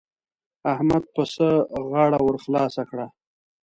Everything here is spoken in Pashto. احمد پسه غاړه ور خلاصه کړه.